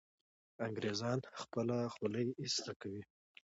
انګریزان خپله خولۍ ایسته کوي.